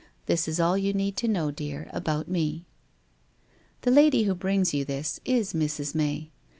This is all you need know, dear, about me. The lady who brings you this is Mrs. May.